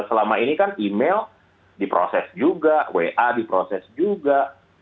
selama ini kan email diproses juga wa diproses juga